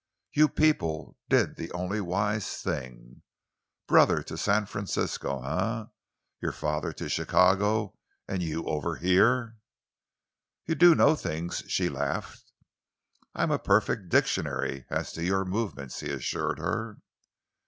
You people did the only wise thing brother to San Francisco, eh, your father to Chicago, and you over here?" "You do know things," she laughed. "I am a perfect dictionary as to your movements," he assured her.